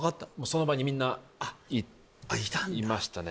その場にみんないましたね